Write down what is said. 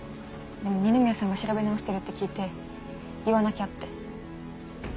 でも二宮さんが調べ直してるって聞いて言わなきゃって。